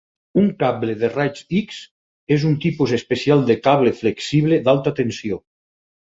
Un cable de raigs X és un tipus especial de cable flexible d'alta tensió.